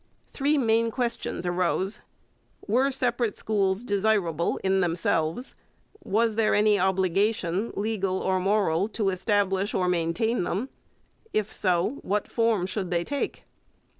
Three main questions arose. Were separate schools desirable in themselves? Was there any obligation, legal or moral, to establish or maintain them? If so, what form should they take?